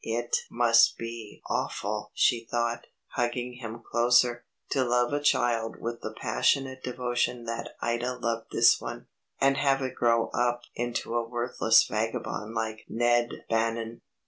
It must be awful she thought, hugging him closer, to love a child with the passionate devotion that Ida loved this one, and have it grow up into a worthless vagabond like Ned Bannan.